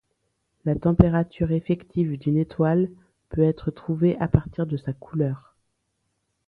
La température effective d'une étoile peut être trouvée à partir de sa couleur.